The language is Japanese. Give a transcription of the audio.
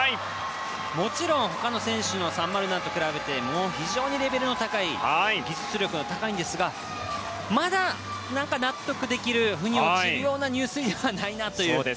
もちろん他の選手の３０７と比べて非常にレベルの高い技術力が高いんですがまだ何か納得できる腑に落ちるような入水ではないなという。